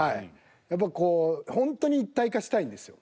やっぱこうほんとに一体化したいんですよ。